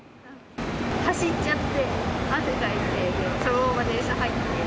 走っちゃって、汗かいて、そのまま電車入って。